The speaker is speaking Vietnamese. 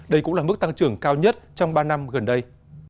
đây cũng là mức tăng trưởng cao nhất trong ba năm gần đây